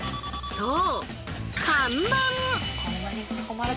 そう！